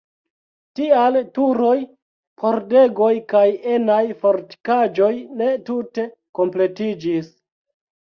Tial turoj, pordegoj kaj enaj fortikaĵoj ne tute kompletiĝis.